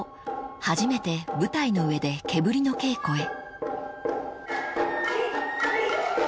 初めて舞台の上で毛振りの稽古へ］